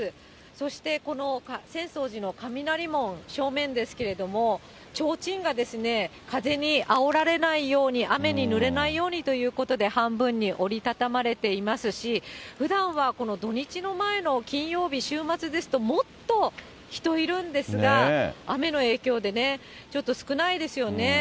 そしてこの浅草寺の雷門、正面ですけれども、ちょうちんが風にあおられないように雨にぬれないようにということで、半分に折り畳まれていますし、ふだんはこの土日の前の金曜日、週末ですと、もっと人いるんですが、雨の影響でね、ちょっと少ないですよね。